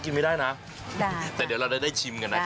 กู้ม้าที่นี่ตัวใหญ่มาก